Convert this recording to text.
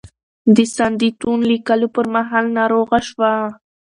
د "سندیتون" لیکلو پر مهال ناروغه شوه.